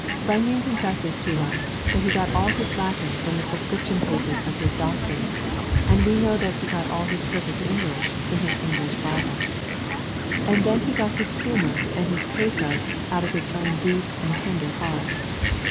Bunyan confesses to us that he got all his Latin from the prescription papers of his doctors, and we know that he got all his perfect English from his English Bible. And then he got his humour and his pathos out of his own deep and tender heart.